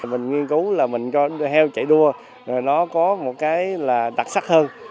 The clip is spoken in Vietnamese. mình nghiên cứu là mình cho heo chạy đua nó có một cái là đặc sắc hơn